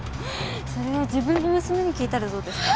それは自分の娘に聞いたらどうですか？